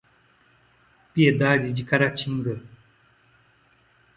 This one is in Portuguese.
Piedade de Caratinga